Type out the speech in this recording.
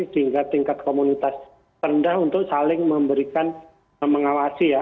sehingga tingkat komunitas rendah untuk saling memberikan mengawasi ya